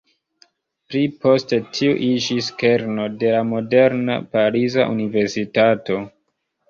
Pli poste tiu iĝis kerno de la moderna pariza universitato.